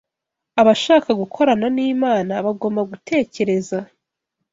Abashaka gukorana n’Imana bagomba gutekereza